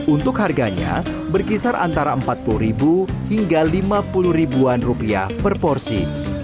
untuk harganya berkisar antara rp empat puluh hingga rp lima puluh per porsi